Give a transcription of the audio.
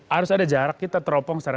harus ada jarak kita teropong secara